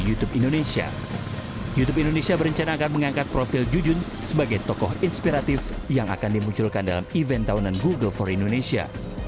youtube indonesia berencana akan mengangkat profil jujun sebagai tokoh inspiratif yang akan dimunculkan dalam event tahunan google for indonesia